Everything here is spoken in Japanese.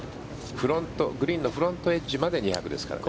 グリーンのフロントエッジまで２００ですからね。